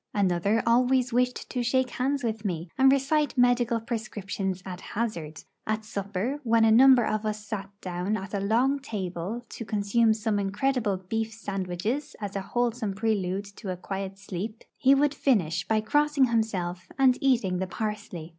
Another always wished to shake hands with me, and recite medical prescriptions at hazard; at supper, when a number of us sate down at a long table to consume some incredible beef sandwiches as a wholesome prelude to quiet sleep, he would finish by crossing himself and eating the parsley.